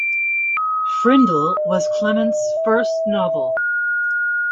"Frindle" was Clements's first novel.